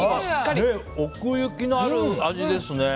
奥行きのある味ですね。